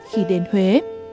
khi đến huế